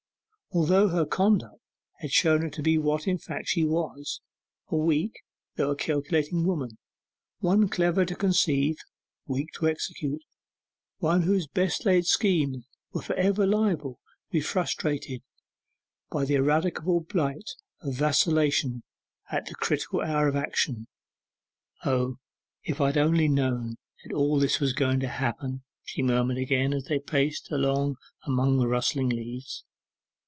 Altogether her conduct had shown her to be what in fact she was, a weak, though a calculating woman, one clever to conceive, weak to execute: one whose best laid schemes were for ever liable to be frustrated by the ineradicable blight of vacillation at the critical hour of action. 'O, if I had only known that all this was going to happen!' she murmured again, as they paced along upon the rustling leaves.